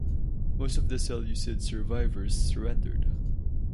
Most of the Seleucid survivors surrendered.